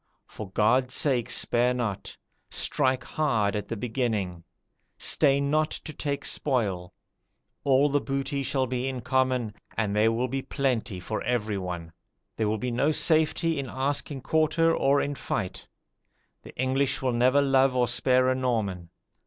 For God's sake spare not; strike hard at the beginning; stay not to take spoil; all the booty shall be in common, and there will be plenty for everyone. There will be no safety in asking quarter or in fight: the English will never love or spare a Norman.